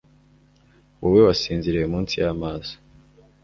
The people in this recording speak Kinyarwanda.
Wowe wasinziriye munsi y'amaso